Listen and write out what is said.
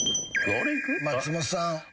松本さん。